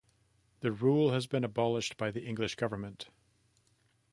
The rule has been abolished by the English Government.